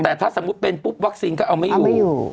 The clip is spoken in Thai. แต่ถ้าเป็นวัคซีนก็เอาไม่อยู่